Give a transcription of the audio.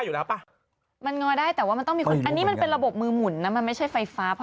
อืมแต่เตียงอธิบายไม่ได้